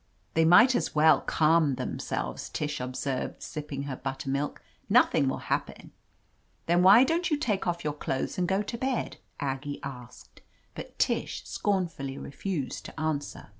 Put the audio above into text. "They might as well calm themselves/' Tish observed, sipping her buttermilk. "Nothing will happen." "Then why don't you take off your clothes and go to bed ?" Aggie asked, but Tish scorn fully refused to answer.